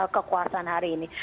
kekuasaan hari ini